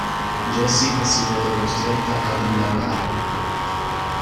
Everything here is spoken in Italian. Jessica si vede costretta ad indagare.